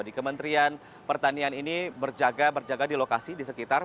di kementerian pertanian ini berjaga berjaga di lokasi di sekitar